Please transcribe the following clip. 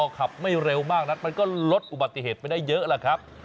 ขับไม่เร็วมากนักมันก็ลดอุบัติเหตุไปได้เยอะแหละครับ